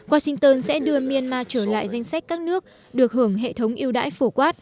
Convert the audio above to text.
washington sẽ đưa myanmar trở lại danh sách các nước được hưởng hệ thống yêu đãi phổ quát